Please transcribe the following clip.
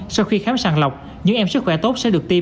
sau khi khám sàng lọc những em sức khỏe tốt sẽ được tiêm